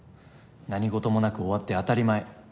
何事もなく終わって当たり前。